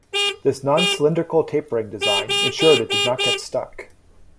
This non-cylindrical tapering design ensured it did not get stuck.